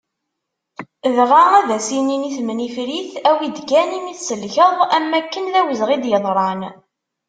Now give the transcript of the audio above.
Dγa, ad as-inin i temnifrit awi-d kan imi tselkeḍ am wakken d awezγi i d-yeḍran.